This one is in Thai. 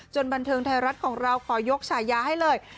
บันเทิงไทยรัฐของเราขอยกฉายาให้เลย